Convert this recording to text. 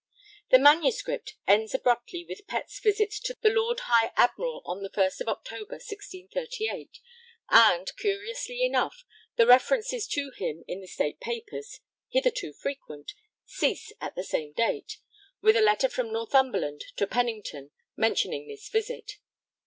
] The manuscript ends abruptly with Pett's visit to the Lord High Admiral on the 1st October 1638, and, curiously enough, the references to him in the State Papers hitherto frequent cease at the same date, with a letter from Northumberland to Pennington mentioning this visit.